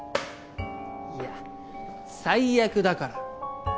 いや最悪だから。